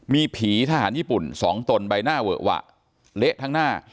มีผีทหารญี่ปุ่น๒ตนใบหน้าเวอะหวะเละทั้งหน้า